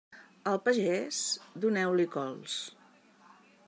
Al pagès, doneu-li cols.